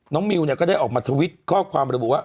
น้องมิวเนี้ยก็ได้ออกมาทวิดข้อความ